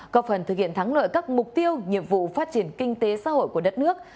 có phần thực hiện thắng lợi các mục tiêu nhiệm vụ phát triển kinh tế xã hội của đất nước